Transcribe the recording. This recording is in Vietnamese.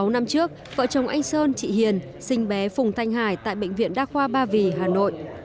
sáu năm trước vợ chồng anh sơn chị hiền sinh bé phùng thanh hải tại bệnh viện đa khoa ba vì hà nội